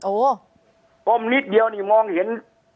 โอ้ก้มนิดเดียวนี่มองเห็น